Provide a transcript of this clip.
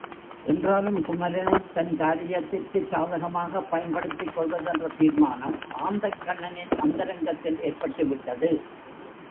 என்றாலும் குமரனைத் தன் காரியத்திற்குச் சாதகமாகப் பயன்படுத்திக் கொள்வதென்ற தீர்மானம் ஆந்தைக்கண்ணனின் அந்தரங்கத்தில் ஏற்பட்டுவிட்டது.